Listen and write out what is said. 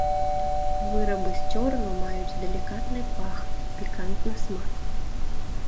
Вырабы з цёрну маюць далікатны пах і пікантны смак.